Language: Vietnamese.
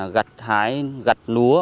gạt hái gạt lúa